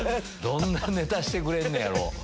どんなネタしてくれんねやろ。